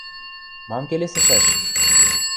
– Мам келесӹшӓш?